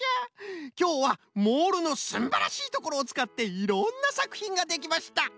きょうはモールのすんばらしいところをつかっていろんなさくひんができました。